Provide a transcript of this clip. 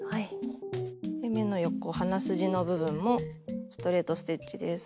目の横鼻筋の部分もストレート・ステッチです。